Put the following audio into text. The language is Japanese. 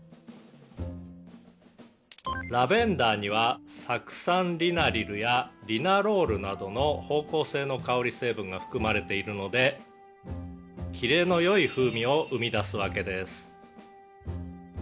「ラベンダーには酢酸リナリルやリナロールなどの芳香性の香り成分が含まれているのでキレの良い風味を生み出すわけです」